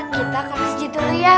kita pamit dulu ya